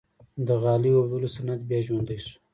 د غالۍ اوبدلو صنعت بیا ژوندی شو؟